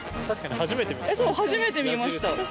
確かに初めて見た。